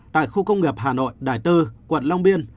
tại khu công nghiệp hà nội đại tư quận long biên